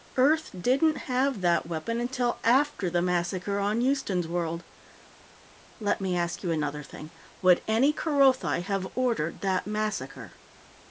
Earth didn't have that weapon until after the massacre on Houston's World. Let me ask you another thing: Would any Kerothi have ordered that massacre?"